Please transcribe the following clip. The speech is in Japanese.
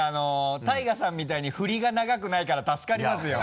ＴＡＩＧＡさんみたいにフリが長くないから助かりますよ。